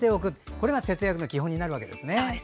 これが節約の基本になるんですね。